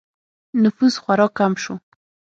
نفوس خورا کم شو